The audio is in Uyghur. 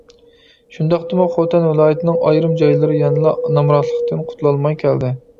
شۇنداقتىمۇ خوتەن ۋىلايىتىنىڭ ئايرىم جايلىرى يەنىلا نامراتلىقتىن قۇتۇلالماي كەلدى.